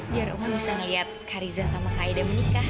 biar oma bisa melihat kak riza sama kak ida menikah